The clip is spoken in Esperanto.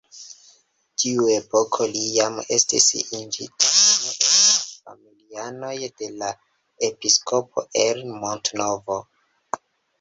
Tiuepoke li jam estis iĝinta unu el la familianoj de la episkopo el Mantovo.